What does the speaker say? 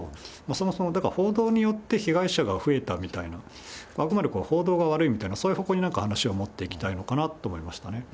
そもそもだから報道によって被害者が増えたみたいな、あくまで報道が悪いみたいな、そういう方向になんか、話をもっていきたいのかなと思いましたね。